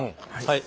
はい。